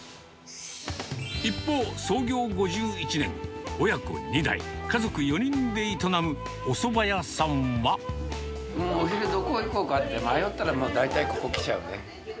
一方、創業５１年、親子２代、お昼、どこ行こうかって迷ったら、大体ここ来ちゃうね。